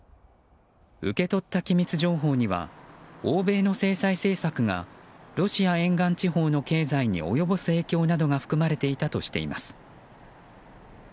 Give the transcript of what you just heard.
受け取った機密情報には欧米の制裁政策がロシア沿岸地方の経済に及ぼす影響などが含まれていたとしています。